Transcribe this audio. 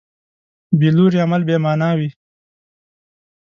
بېلوري عمل بېمانا وي.